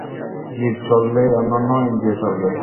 জিব চললেই অন্যান্য ইন্দ্রিয় চলবে।